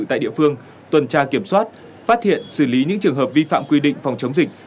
tại địa phương tuần tra kiểm soát phát hiện xử lý những trường hợp vi phạm quy định phòng chống dịch